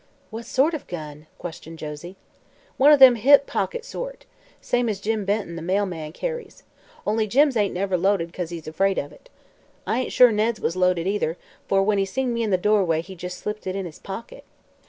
"What sort of a gun?" questioned Josie. "One o' them hip pocket sort. Same as Jim Bennett the mailman carries. Only Jim's ain't never loaded, 'cause he's afraid of it. I ain't sure Ned's was loaded, either, for when he seen me in the doorway he jes' slipped it in his pocket.